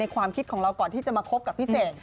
ความคิดของเราก่อนที่จะมาคบกับพี่เสก